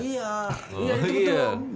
iya gitu gitu om